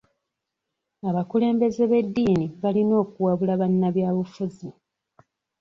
Abakulembeze b'ediini balina okuwabula banabyabufuzi.